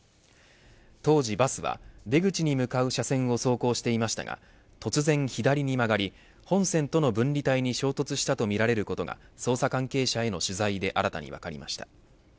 当時バスは、出口に向かう車線を走行していましたが突然左に曲がり本線との分離帯に衝突したとみられることが捜査関係者への取材で新たに分かりました。